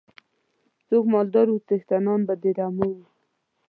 څوک مالدار وو څښتنان به د رمو وو.